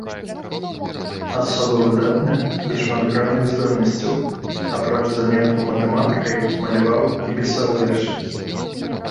Асоба выдатных і шматгранных здольнасцяў, апроч заняткаў матэматыкай, маляваў і пісаў вершы.